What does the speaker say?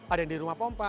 ada yang di rumah pompa